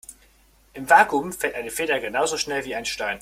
Im Vakuum fällt eine Feder genauso schnell wie ein Stein.